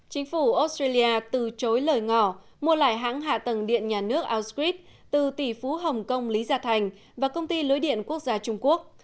chính phủ australia từ chối lời ngỏ mua lại hãng hạ tầng điện nhà nước ausgrid từ tỷ phú hồng kông lý gia thành và công ty lưới điện quốc gia australia